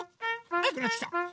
はやくなってきた！